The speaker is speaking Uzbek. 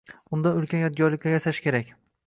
Undan ulkan yodgorliklar yasash kerak.